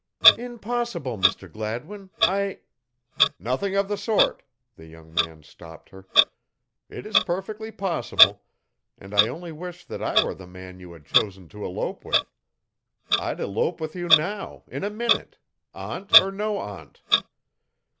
"Impossible, Mr. Gladwin. I" "Nothing of the sort," the young man stopped her. "It is perfectly possible, and I only wish that I were the man you had chosen to elope with. I'd elope with you now in a minute aunt or no aunt."